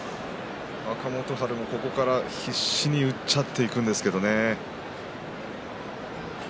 若元春はここからうっちゃっていくんですけどね。